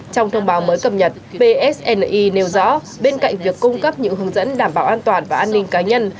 trong thông báo mới cập nhật psni nêu rõ bên cạnh việc cung cấp những hướng dẫn đảm bảo an toàn và an ninh cá nhân